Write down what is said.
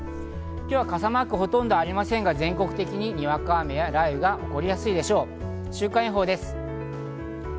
今日は傘マークほとんどありませんが、全国的ににわか雨や雷雨が起こりやすいでしょう。